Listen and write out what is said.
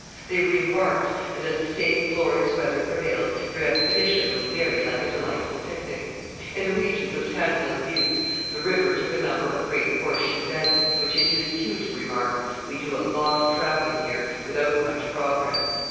They re embarked, and, as the same glorious weather prevailed, their expedition was very like a delightful picnic. In the regions of Tantalus Buttes the river took a number of great horseshoe bends, which induced Hugh to remark, "We do a lot of travelling here, without much progress."